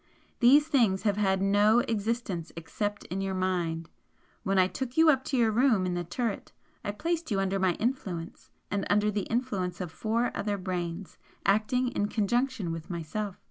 These things have had NO EXISTENCE except in your mind! When I took you up to your room in the turret, I placed you under my influence and under the influence of four other brains acting in conjunction with myself.